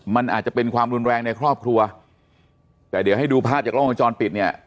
มันอาจจะเป็นความรุนแรงในครอบครัวแต่เดี๋ยวให้ดูภาพจากล้องวงจรปิดเนี่ย